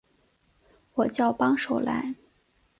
我叫帮手来